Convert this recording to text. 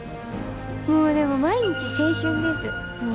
もうでも毎日青春です。